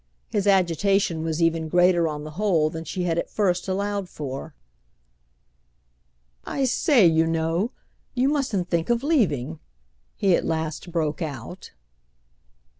His agitation was even greater on the whole than she had at first allowed for. "I say, you know, you mustn't think of leaving!" he at last broke out.